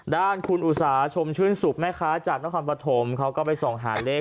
ด้านคุณอุตสาชมชื่นสุขแม่ค้าจากนครปฐมเขาก็ไปส่องหาเลข